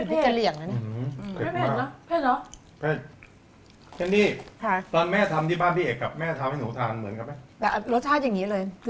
รสชาติที่เขาทานครับผม